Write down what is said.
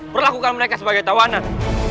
perlakukan mereka sebagai tawanan